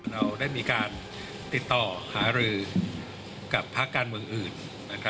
เราได้มีการติดต่อหารือกับพักการเมืองอื่น